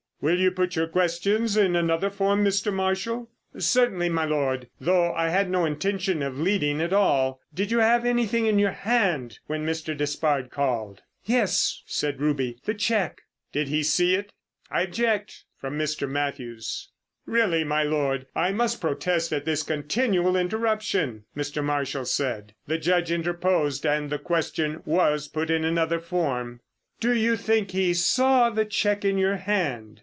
"Will you put your questions in another form, Mr. Marshall?" "Certainly, my Lord, though I had no intention of leading at all. Did you have anything in your hand when Mr. Despard called?" "Yes," said Ruby, "the cheque." "Did he see it?" "I object!"—from Mr. Mathews. "Really, my Lord, I must protest at this continual interruption," Mr. Marshall said. The Judge interposed, and the question was put in another form. "Do you think he saw the cheque in your hand?"